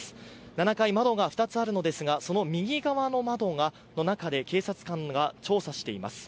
７階、窓が２つあるのですが右側の窓の中で警察官が調査しています。